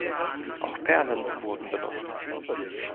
Auch Perlen wurden benutzt.